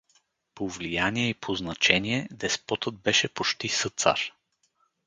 По влияние и по значение деспотът беше почти съцар.